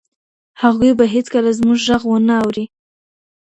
هغوی به هیڅکله زموږ ږغ ونه اوري.